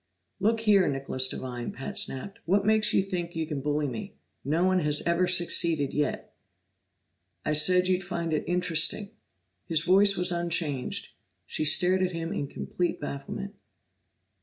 "Look here, Nicholas Devine!" Pat snapped, "What makes you think you can bully me? No one has ever succeeded yet!" "I said you'd find it interesting." His voice was unchanged; she stared at him in complete bafflement.